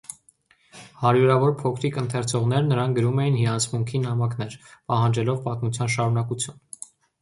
Հարյուրավոր փոքրիկ ընթերցողներ նրան գրում էին հիացմունքի նամակներ՝ պահանջելով պատմության շարունակություն։